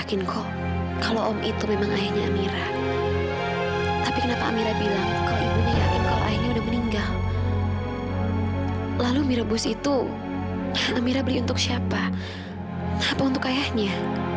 itu amira beli untuk siapa apa untuk ayahnya